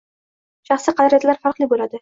Shaxsiy qadriyatlar farqli bo’ladi